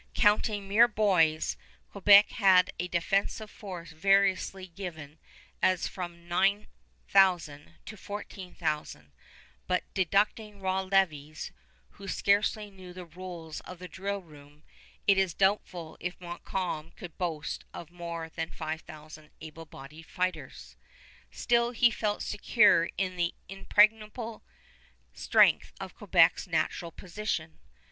Counting mere boys, Quebec had a defensive force variously given as from 9000 to 14,000; but deducting raw levies, who scarcely know the rules of the drill room, it is doubtful if Montcalm could boast of more than 5000 able bodied fighters. Still he felt secure in the impregnable strength of Quebec's natural position.